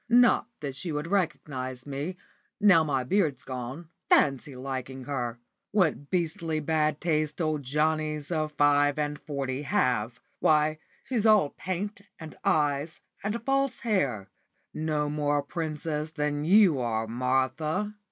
Not that she would recognise me, now my beard's gone. Fancy liking her! What beastly bad taste old Johnnies of five and forty have! Why, she's all paint, and eyes, and false hair no more a princess than you are, Martha."